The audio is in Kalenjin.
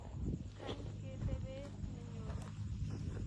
kany ketebe nenyoru.